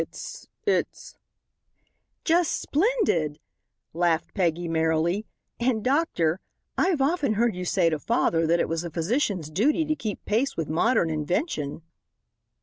It's it's " "Just splendid," laughed Peggy, merrily, "and, doctor, I've often heard you say to father that it was a physician's duty to keep pace with modern invention."